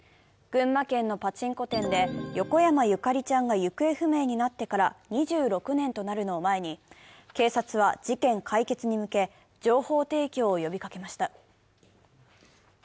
群馬県のパチンコ店で横山ゆかりちゃんが行方不明になってから２６年となるのを前に警察は、事件解決に向け情報提供を呼びかけました。